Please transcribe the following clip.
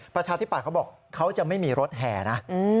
ประชาธิปัตย์เขาบอกเขาจะไม่มีรถแห่นะ